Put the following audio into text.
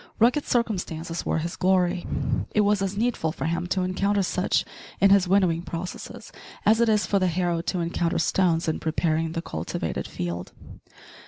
Rugged circumstances were his glory. It was as needful for him to encounter such in his winnowing processes as it is for the harrow to encounter stones in preparing the cultivated field.